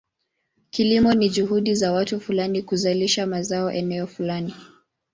Kilimo ni juhudi za watu fulani kuzalisha mazao eneo fulani.